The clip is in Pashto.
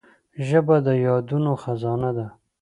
ژبه د یادونو خزانه ده